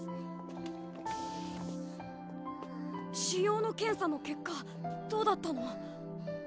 腫瘍の検査の結果どうだったの？